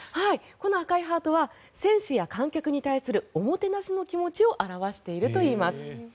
この赤いハートは選手や観客に対するおもてなしの気持ちを表しているといいます。